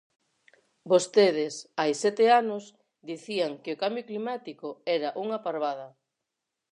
Vostedes, hai sete anos, dicían que o cambio climático era unha parvada.